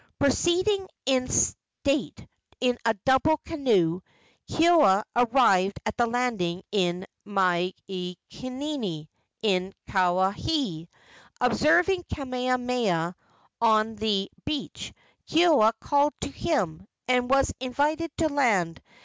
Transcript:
Proceeding in state in a double canoe, Keoua arrived at the landing of Mailekini, in Kawaihae. Observing Kamehameha on the beach, Keoua called to him, and was invited to land.